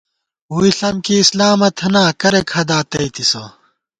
ووئی ݪم کی اسلامہ تھنا، کرېک ہَدا تَئیتِسہ